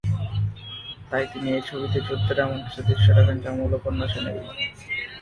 তাই তিনি এই ছবিতে যুদ্ধের এমন কিছু দৃশ্য রাখেন যা মূল উপন্যাসে নেই।